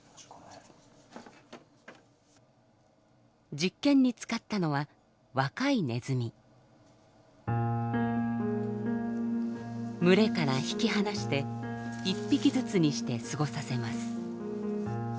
実験に使ったのは群れから引き離して１匹ずつにして過ごさせます。